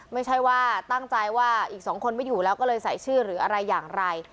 ไม่ใช่ว่าตั้งใจว่าอีกสองคนไม่อยู่แล้วก็เลยใส่ชื่อหรืออะไรอย่างไร